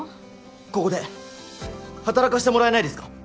ここで働かせてもらえないですか！？